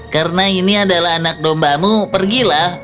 karena ini adalah anak dombamu pergilah